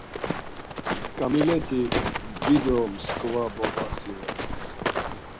Kamileti dido mskva boğazi ren.